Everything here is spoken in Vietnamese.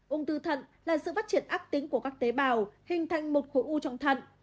ung thư thận là sự phát triển ác tính của các tế bào hình thành một khối u trọng thận